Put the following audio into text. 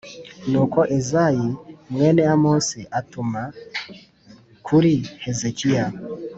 Nuko Izayi mwene Amosi atuma kuri Hezekiya,